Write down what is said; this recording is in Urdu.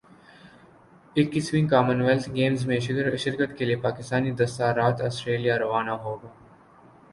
اکیسویں کا من ویلتھ گیمز میں شرکت کے لئے پاکستانی دستہ رات سٹریلیا روانہ ہو گا